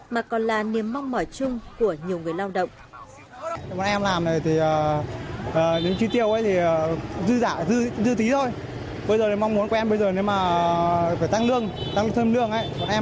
mà còn là niềm mong mỏi chung của nhiều người lao động